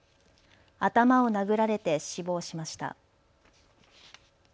頭を殴られて死亡しました。